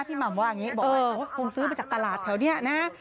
พี่หม่ามว่าอย่างนี้บอกว่าโอ๊ยคงซื้อมาจากตลาดแถวเนี่ยนะฮะ